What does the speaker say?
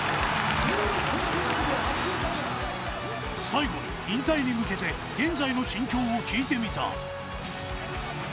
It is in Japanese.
最後に引退に向けて現在の心境を聞いてみた。